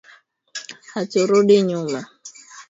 Haturudi nyuma